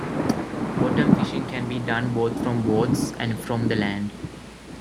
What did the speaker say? Bottom fishing can be done both from boats and from the land.